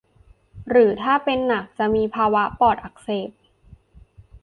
หรือถ้าเป็นหนักจะมีภาวะปอดอักเสบ